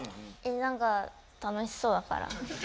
何か楽しそうだから。